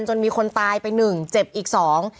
จนมีคนตายไปหนึ่งเจ็บอีกสอง